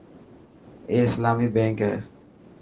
اي اسلامي بينڪ هي .